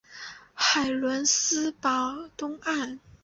海伦斯堡东岸。